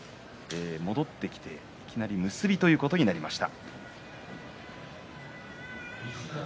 戻ってきて、いきなり結びということになりました。